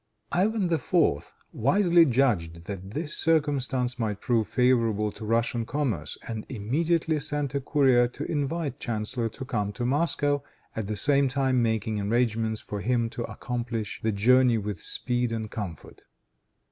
Ivan IV. wisely judged that this circumstance might prove favorable to Russian commerce, and immediately sent a courier to invite Chanceller to come to Moscow, at the same time making arrangements for him to accomplish the journey with speed and comfort.